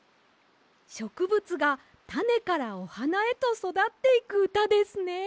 しょくぶつがたねからおはなへとそだっていくうたですね。